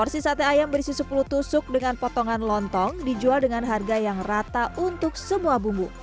porsi sate ayam berisi sepuluh tusuk dengan potongan lontong dijual dengan harga yang rata untuk semua bumbu